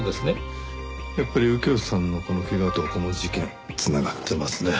やっぱり右京さんのこの怪我とこの事件繋がってますね。